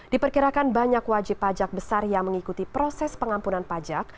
diperkirakan banyak wajib pajak besar yang mengikuti proses pengampunan pajak